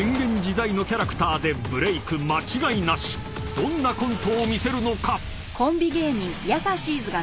［どんなコントを見せるのか？］